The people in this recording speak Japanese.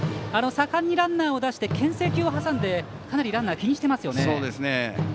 盛んにランナーを出してけん制球を挟んでかなりランナーを気にしてますね。